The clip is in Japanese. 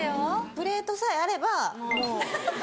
プレートさえあればもう。